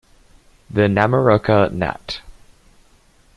The Namoroka Nat.